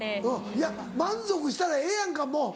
いや満足したらええやんかもう。